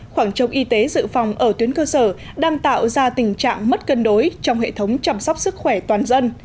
khoảng trống y tế dự phòng ở tuyến cơ sở đang tạo ra tình trạng mất cân đối trong hệ thống chăm sóc sức khỏe toàn dân